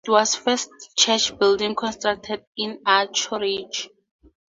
It was the first church building constructed in Anchorage.